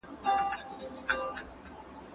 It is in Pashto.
ښوونځي د ماشومانو استعدادونه فعالوي.